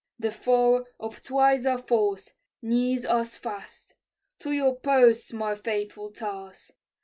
The foe, of twice our force, nears us fast: To your posts, my faithful tars!